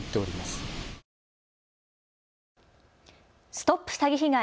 ＳＴＯＰ詐欺被害！